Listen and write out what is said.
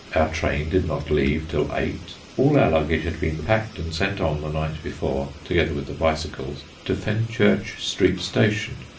Our train did not leave till eight; all our luggage had been packed and sent on the night before, together with the bicycles, to Fenchurch Street Station.